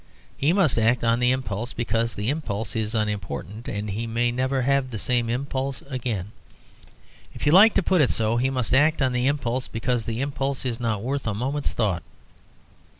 He must act on the impulse, because the impulse is unimportant, and he may never have the same impulse again. If you like to put it so he must act on the impulse because the impulse is not worth a moment's thought.